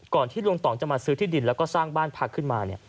ที่ลุงต่องจะมาซื้อที่ดินแล้วก็สร้างบ้านพักขึ้นมา